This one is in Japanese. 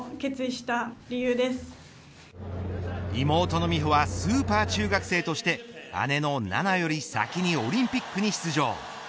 妹の美帆はスーパー中学生として姉の菜那より先にオリンピックに出場。